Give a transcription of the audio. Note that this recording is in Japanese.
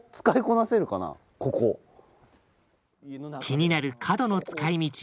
気になる角の使い道